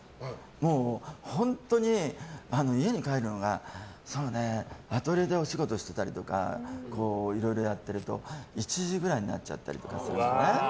もう本当に、家に帰るのがアトリエでお仕事してたりいろいろやってると１時くらいになっちゃったりとかするのね。